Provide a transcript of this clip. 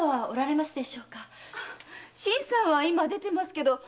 新さんはいま出てますけど。